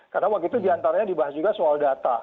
karena waktu itu diantaranya dibahas juga soal data